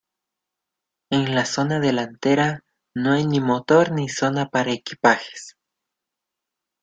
En la zona delantera, no hay ni motor ni zona para equipajes.